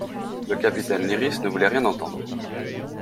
Le capitaine Lyrisse ne voulait rien entendre.